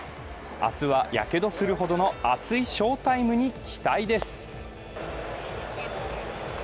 明日は、やけどするほどの熱い翔タイムに期待です。